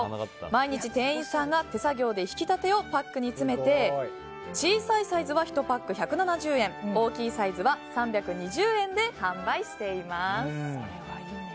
毎日、店員さんが手作業でひきたてをパックに詰めて小さいサイズは１パック１７０円大きいサイズは３２０円で販売しています。